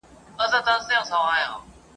دوی به د خپل دغه ناوړه عمل سزا وويني.